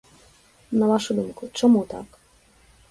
На вашу думку, чаму так?